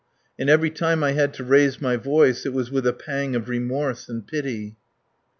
And every time I had to raise my voice it was with a pang of remorse and pity.